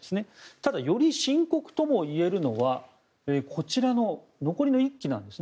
ただ、より深刻ともいえるのはこちらの残りの１機なんですね。